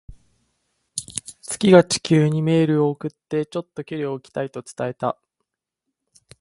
月が地球にメールを送って、「ちょっと距離を置きたい」と伝えた。